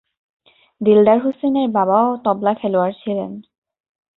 দিলদার হুসেনের বাবাও তবলা-খেলোয়াড় ছিলেন।